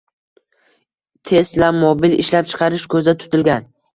«teslamobil» ishlab chiqarish ko‘zda tutilgan.